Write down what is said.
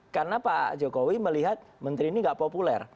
karena pak jokowi melihat menteri ini tidak populer